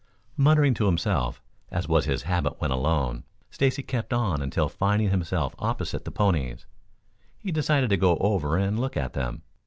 Muttering to himself, as was his habit when alone, Stacy kept on until finding himself opposite the ponies, he decided to go over and look at them.